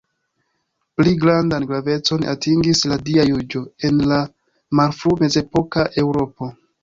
Pli grandan gravecon atingis la Dia juĝo en la malfru-mezepoka Eŭropo.